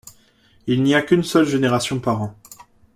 Il n'y a qu'une seule génération par an.